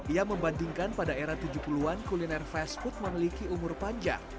ia membandingkan pada era tujuh puluh an kuliner fast food memiliki umur panjang